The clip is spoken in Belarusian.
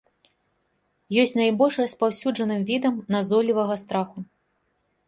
Ёсць найбольш распаўсюджаным відам назойлівага страху.